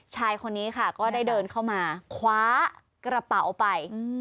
ชายคนนี้ค่ะก็ได้เดินเข้ามาคว้ากระเป๋าไป